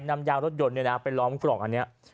เอาเป็ดปิดไว้ก่อนนะ